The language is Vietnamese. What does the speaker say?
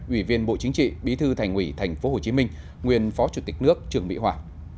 ủy viên bộ chính trị bí thư thành ủy tp hcm nguyên phó chủ tịch nước trường mỹ hòa